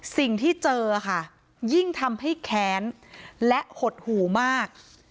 สิ่งที่เจอค่ะยิ่งทำให้แค้นและหดหู่มาก